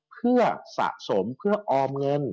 เพื่อสะสมเพื่อออมเงิน